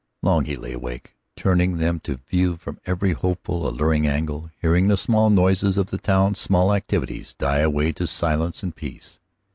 Long he lay awake turning them to view from every hopeful, alluring angle, hearing the small noises of the town's small activities die away to silence and peace.